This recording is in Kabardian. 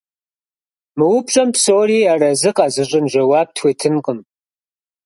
Мы упщӀэм псори арэзы къэзыщӀын жэуап тхуетынкъым.